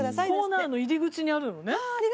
コーナーの入り口にあるのね。